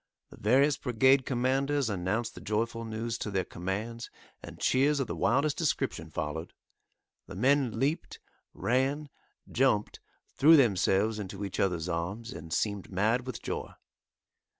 The various brigade commanders announced the joyful news to their commands, and cheers of the wildest description followed. The men leaped, ran, jumped, threw themselves into each other's arms and seemed mad with joy.